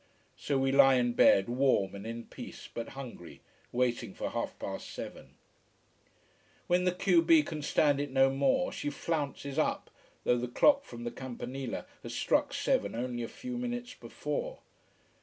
So we lie in bed, warm and in peace, but hungry, waiting for half past seven. When the q b can stand it no more she flounces up, though the clock from the Campanile has struck seven only a few minutes before.